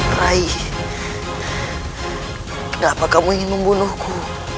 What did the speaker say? meraih kenapa kamu ingin membunuhku